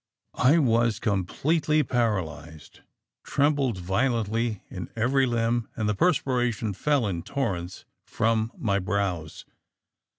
"I was completely paralysed trembled violently in every limb and the perspiration fell in torrents from my brows.